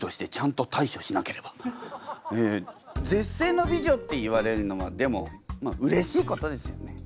絶世の美女って言われるのはでもうれしいことですよね？